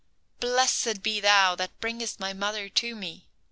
"Blessed be thou that bringest my mother to me!"